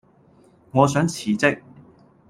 我想辭職